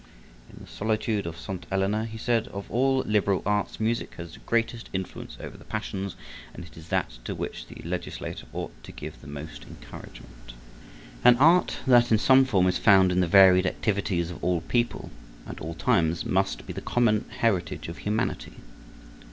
In the solitude of St. Helena he said: "Of all liberal arts music has the greatest influence over the passions, and it is that to which the legislator ought to give the most encouragement." An art that in some form is found in the varied activities of all people, at all times, must be the common heritage of humanity.